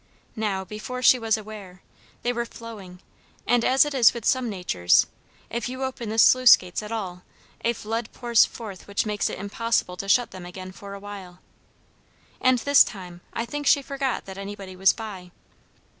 Now, before she was aware, they were flowing; and as it is with some natures, if you open the sluice gates at all, a flood pours forth which makes it impossible to shut them again for a while. And this time I think she forgot that anybody was by.